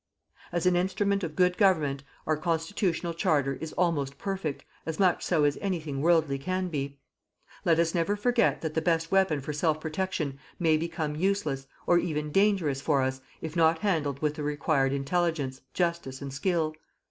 As an instrument of good government our constitutional charter is almost perfect, as much so as any thing worldly can be. Let us never forget that the best weapon for self protection may become useless, or even dangerous for us, if not handled with the required intelligence, justice and skill.